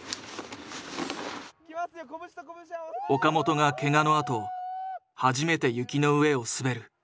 岡本がケガのあと初めて雪の上を滑る。